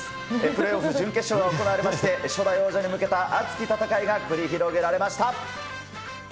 プレーオフ準決勝が行われまして、初代王者に向けた熱き戦いが繰り広げられました。